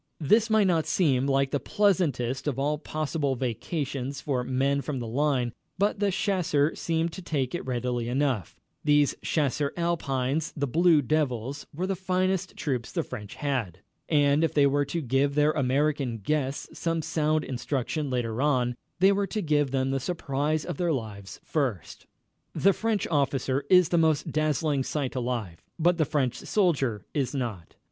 This might not seem like the pleasantest of all possible vacations for men from the line, but the chasseurs seemed to take to it readily enough. These Chasseurs Alpines the Blue Devils were the finest troops the French had. And if they were to give their American guests some sound instruction later on, they were to give them the surprise of their lives first. The French officer is the most dazzling sight alive, but the French soldier is not.